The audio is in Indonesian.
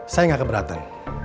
saya gak keberatan